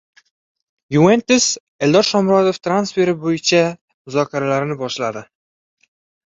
"Yuventus" Eldor Shomurodov transferi bo‘yicha muzokaralarni boshladi